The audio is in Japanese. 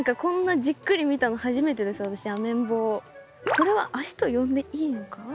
これは脚と呼んでいいのか？